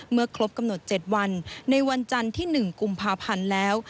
ครบกำหนด๗วันในวันจันทร์ที่๑กุมภาพันธ์แล้ว